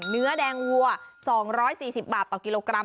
เนื้อแดงวัว๒๔๐บาทต่อกิโลกรัม